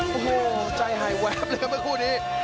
โอ้โหใจหายแว้บเลยครับประคูตรนี้